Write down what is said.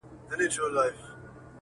مړ به سم مړى به مي ورك سي گراني